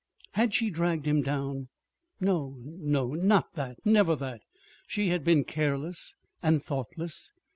_" Had she dragged him down? No, no, not that never that! She had been careless and thoughtless.